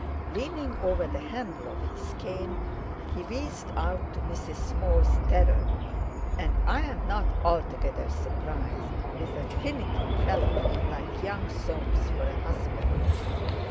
Leaning over the handle of his cane, he wheezed out, to Mrs. Small's terror: "And I'm not altogether surprised, with a finickin' feller like young Soames for a husband!"